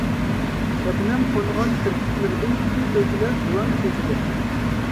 شەبنەم قونغان كىرپىكلىرىدىن كۈي تۆكۈلەر جۇۋان كۆزىگە.